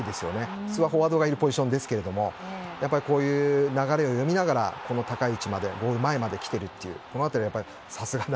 ふつうはフォワードがいるポジションですがこういう流れを読みながらこの高い位置までゴール前まで来ているという。